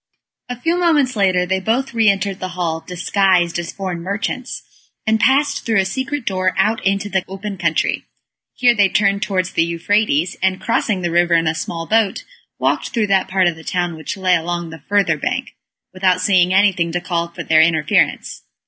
A few moments later they both re entered the hall, disguised as foreign merchants, and passed through a secret door, out into the open country. Here they turned towards the Euphrates, and crossing the river in a small boat, walked through that part of the town which lay along the further bank, without seeing anything to call for their interference.